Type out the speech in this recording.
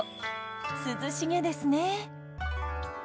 涼しげですね。